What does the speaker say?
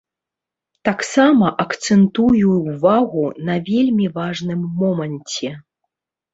Таксама акцэнтую ўвагу на вельмі важным моманце.